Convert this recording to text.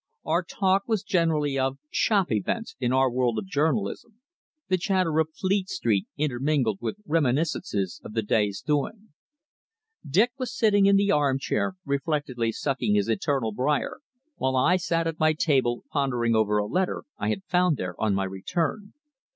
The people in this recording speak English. Our talk was generally of "shop" events in our world of journalism, the chatter of Fleet Street intermingled with reminiscences of the day's doings. Dick was sitting in the armchair reflectively sucking his eternal briar, while I sat at my table pondering over a letter I had found there on my return.